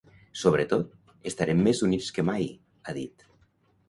Sobretot, estarem més units que mai, ha dit.